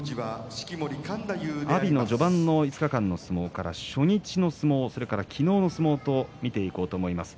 阿炎の序盤の５日間の相撲から初日の相撲、それから昨日の相撲見ていこうと思います。